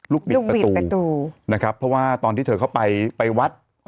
ลูกบิดประตูนะครับเพราะว่าตอนที่เขาไปวัด